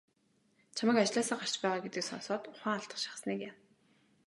Чамайг ажлаасаа гарч байгаа гэдгийг сонсоод ухаан алдах шахсаныг яана.